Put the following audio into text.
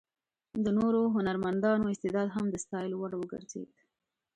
د نورو هنرمندانو استعداد هم د ستایلو وړ وګرځېد.